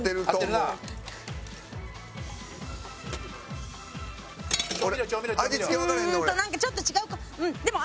なんかちょっと違うかも。